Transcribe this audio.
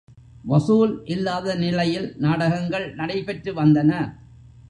வசூல் இல்லாத நிலையில் நாடகங்கள் நடைபெற்று வந்தன.